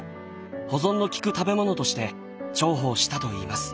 保存の利く食べ物として重宝したといいます。